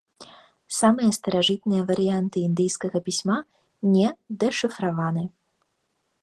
Самыя старажытныя варыянты індыйскага пісьма не дэшыфраваны.